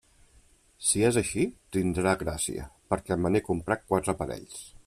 Si és així, tindrà gràcia, perquè me n'he comprat quatre parells.